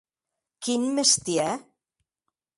Quin mestièr?